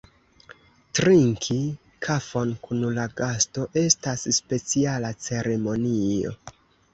Trinki kafon kun la gasto estas speciala ceremonio.